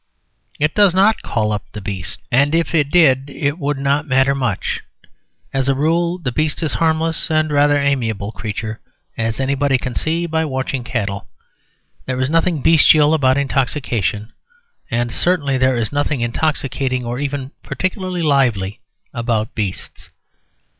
It does not call up the beast, and if it did it would not matter much, as a rule; the beast is a harmless and rather amiable creature, as anybody can see by watching cattle. There is nothing bestial about intoxication; and certainly there is nothing intoxicating or even particularly lively about beasts.